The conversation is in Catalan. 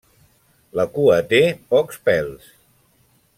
La cua té pocs pèls.